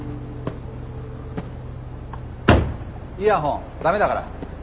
イヤホン駄目だから。